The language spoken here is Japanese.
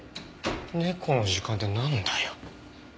猫の時間ってなんだよ？